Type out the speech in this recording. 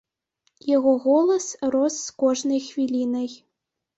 Яго голас рос з кожнай хвілінай.